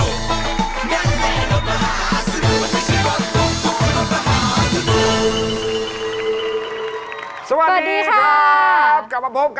คือเขียนข้างรถก็รถประหาสนุก